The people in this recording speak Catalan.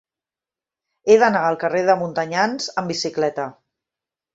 He d'anar al carrer de Montanyans amb bicicleta.